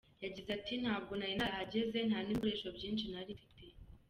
Yagize ati “Ntabwo nari narahageze, nta n’ibikoresho byinshi nari mfite.